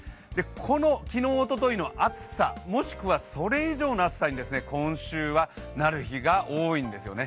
この昨日、おとといの暑さもしくはそれ以上の暑さに今週はなる日が多いんですよね。